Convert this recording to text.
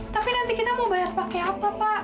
tapi nanti kita mau bayar pakai apa pak